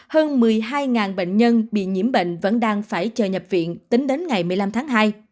trong khi đó hơn một mươi hai bệnh nhân bị nhiễm bệnh vẫn đang phải chờ nhập viện tính đến ngày một mươi năm tháng hai